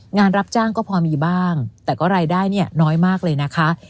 งานรับจ้างก็พอมีบ้างแต่ก็รายได้เนี่ยน้อยมากเลยนะคะ